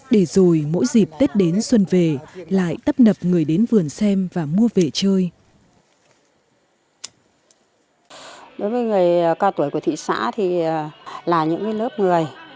để rồi mỗi dịp tết đến xuân về lại tấp nập người đến vườn xem và mua về chơi